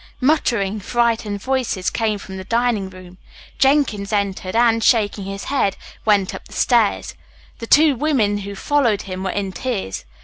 Muttering, frightened voices came from the dining room. Jenkins entered, and, shaking his head, went up the stairs. The two women who followed him, were in tears.